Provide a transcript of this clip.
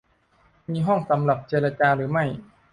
มีห้องสำหรับเจรจาหรือไม่